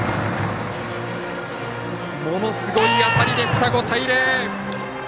ものすごい当たりでした、５対０。